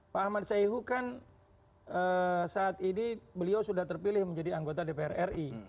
pak ahmad sayhu kan saat ini beliau sudah terpilih menjadi anggota dpr ri